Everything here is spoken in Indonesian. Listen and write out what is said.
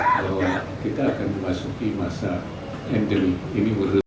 kalau kita akan memasuki masa endemi